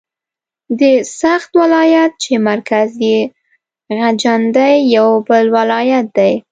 د سغد ولایت چې مرکز یې خجند دی یو بل ولایت دی.